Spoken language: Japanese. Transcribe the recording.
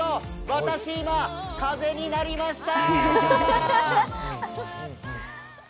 私、今、風になりました！